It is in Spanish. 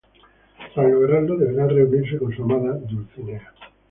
Tras lograrlo, deberá reunirse con su amada Dulcinea.